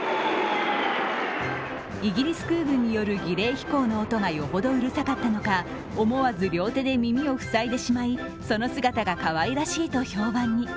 イギリス空軍による儀礼飛行の音がよほどうるさかったのか思わず両手で耳を塞いでしまい、その姿がかわいらしいと評判に。